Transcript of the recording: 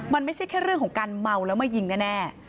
มันไม่ใช่แค่เรื่องของการเมาแล้วมายิงแน่